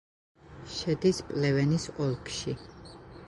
შედის პლევენის ოლქში.